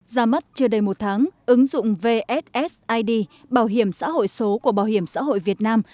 ra mắt chưa đầy một tháng ứng dụng vssid bảo hiểm xã hội số của bảo hiểm xã hội việt nam